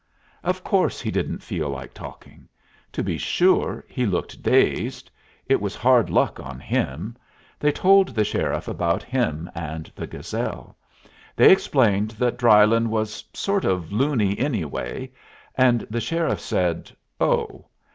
Of course he didn't feel like talking. To be sure he looked dazed. It was hard luck on him. They told the sheriff about him and the Gazelle. They explained that Drylyn was "sort of loony, anyway," and the sheriff said, "Oh!"